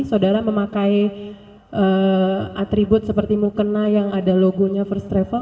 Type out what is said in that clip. saudara memakai atribut seperti mukena yang ada logonya first travel